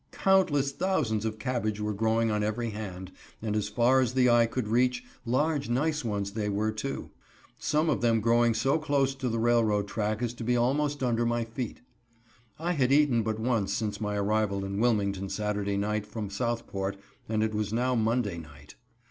Countless thousands of cabbage were growing on every hand, and as far as the eye could reach large nice ones they were, too, some of them growing so close to the railroad track as to be almost under my feet. I had eaten but once since my arrival in Wilmington Saturday night from Southport, and it was now Monday night.